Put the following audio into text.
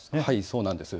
そうなんです。